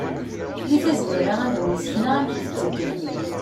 Deg tazwara, ad awen-d-sekneɣ amek i tetteddu.